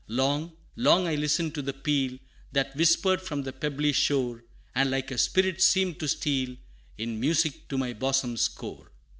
Long, long I listened to the peal, That whispered from the pebbly shore, And like a spirit seemed to steal In music to my bosom's core.